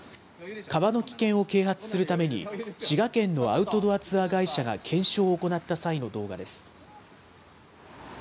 川の危険を啓発するために、滋賀県のアウトドアツアー会社が検証を行った際の動画です。